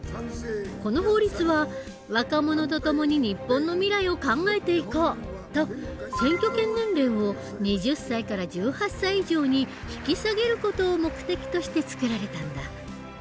この法律は「若者とともに日本の未来を考えていこう」と選挙権年齢を２０歳から１８歳以上に引き下げる事を目的として作られたんだ。